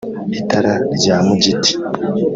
Itara rya Mugiti